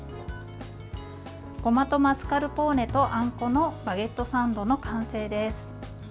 ごまとマスカルポーネとあんこのバゲットサンドの完成です。